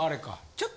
ちょっと。